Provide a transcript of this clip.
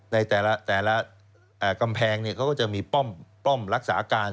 ในแต่ละกำแพงเขาก็จะมีป้อมรักษาการ